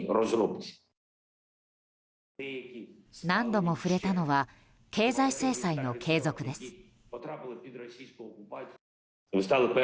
何度も触れたのは経済制裁の継続です。